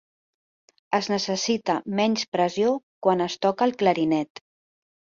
Es necessita menys pressió quan es toca el clarinet.